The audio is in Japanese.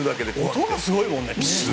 音がすごいもんね。